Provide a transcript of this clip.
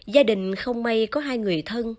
gia đình không may có hai người thân